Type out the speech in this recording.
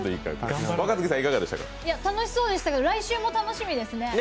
楽しそうでしたが、来週も楽しみですね。